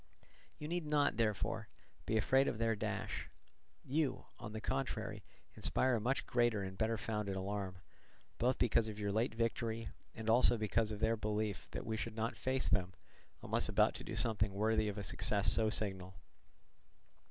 You need not, therefore, be afraid of their dash. You, on the contrary, inspire a much greater and better founded alarm, both because of your late victory and also of their belief that we should not face them unless about to do something worthy of a success so signal.